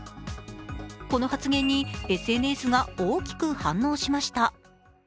この発言にＳＮＳが大きく反応しました。